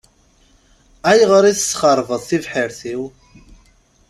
Ayɣer i tesxeṛbeḍ tibḥirt-iw?